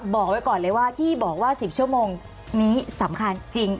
บอกไว้ก่อนเลยว่าที่บอกว่า๑๐ชั่วโมงนี้สำคัญจริง